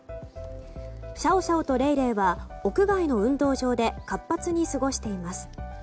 シャオシャオとレイレイは屋外の運動場で活発に過ごしています。